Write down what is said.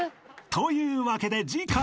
［というわけで次回］